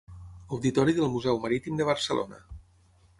Auditori del Museu Marítim de Barcelona.